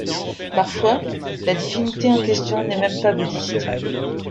Parfois, la divinité en question n'est même pas bouddhiste.